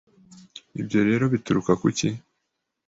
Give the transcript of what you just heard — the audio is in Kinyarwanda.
Ibyo rero bituruka kuki